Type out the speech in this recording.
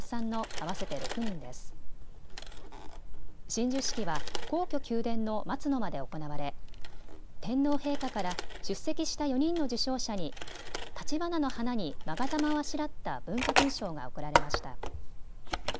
親授式は皇居・宮殿の松の間で行われ天皇陛下から出席した４人の受章者にたちばなの花にまが玉をあしらった文化勲章が贈られました。